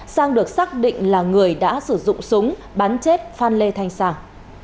sang được xác định là người đã sử dụng súng bắn chết phan lê thanh sàng